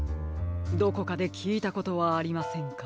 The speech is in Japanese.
どこかできいたことはありませんか？